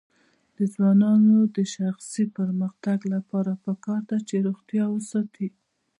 د ځوانانو د شخصي پرمختګ لپاره پکار ده چې روغتیا وساتي.